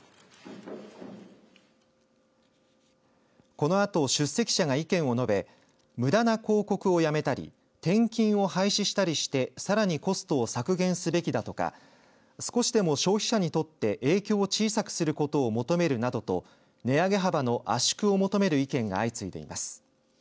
このあと出席者が意見を述べむだな広告をやめたり転勤を廃止したりしてさらにコストを削減すべきだとか少しでも消費者にとって影響は小さくすることを求めるなどと値上げ幅の圧縮を求める意見が相次いでいます。